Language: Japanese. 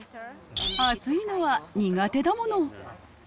暑いのは苦手だもの。